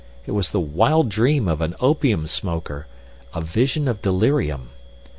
It was the wild dream of an opium smoker, a vision of delirium.